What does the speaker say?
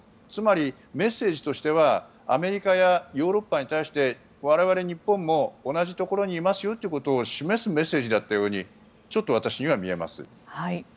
つまり、メッセージとしてはアメリカやヨーロッパに対して我々日本も同じところにいますよということを示すメッセージだったようにちょっと私には見えます。